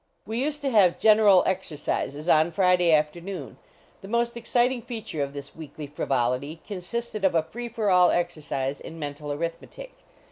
We used to have General Exercises on Friday afternoon. The most exciting feature of this weekly frivolity consisted of a free for all exercise in mental arithmetic.